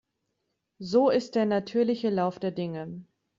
So ist der natürliche Lauf der Dinge.